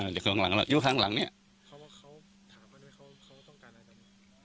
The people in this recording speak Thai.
อยู่ข้างหลังอยู่ข้างหลังเนี้ยเขาว่าเขาถามว่าอะไร